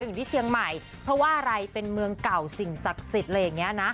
อยู่ที่เชียงใหม่เพราะว่าอะไรเป็นเมืองเก่าโสติสิ่งศักดิ์สิทธิ์